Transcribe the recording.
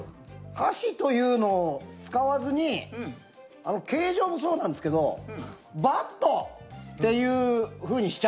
箸というのを使わずに形状もそうなんですけど「ばっと」っていうふうにしちゃうわけですよ